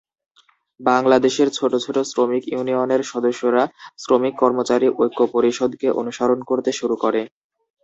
বাংলাদেশের ছোট ছোট শ্রমিক ইউনিয়নের সদস্যরা শ্রমিক কর্মচারী ঐক্য পরিষদকে অনুসরণ করতে শুরু করে।